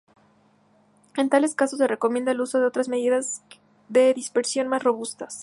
En tales casos se recomienda el uso de otras medidas de dispersión más robustas.